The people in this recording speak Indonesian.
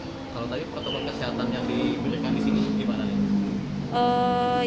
kalau tadi protokol kesehatan yang diberikan di sini gimana nih